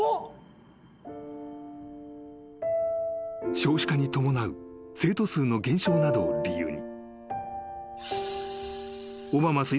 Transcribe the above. ［少子化に伴う生徒数の減少などを理由に］